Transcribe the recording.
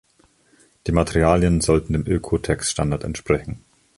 Die Materialien sollten dem Oeko-Tex-Standard entsprechen.